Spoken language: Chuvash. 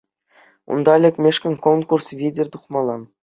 Унта лекмешкӗн конкурс витӗр тухмалла.